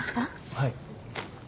はい。